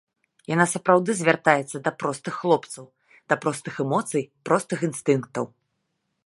Яна сапраўды звяртаецца да простых хлопцаў, да простых эмоцый, простых інстынктаў.